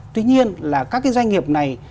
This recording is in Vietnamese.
tuy nhiên là các cái doanh nghiệp này